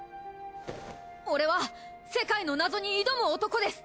俺は世界の謎に挑む男です！